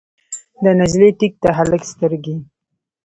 د نجلۍ ټیک، د هلک سترګې